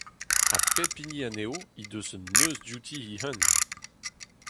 Ha pep hini anezho he deus un neuz diouti he-unan.